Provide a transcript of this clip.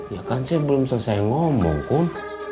ya kan saya belum selesai ngomong pun